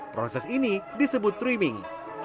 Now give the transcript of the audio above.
proses ini disebut trimming